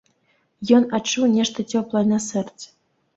Ён адчуў нешта цёплае на сэрцы.